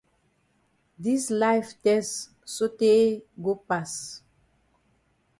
Dis life tess sotay go pass.